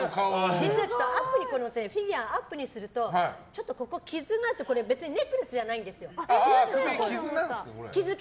実はフィギュアをアップにするとここに傷があって別にこれネックレスじゃないんですよ。